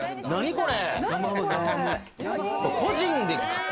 これ。